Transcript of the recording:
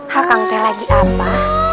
hakang teh lagi apa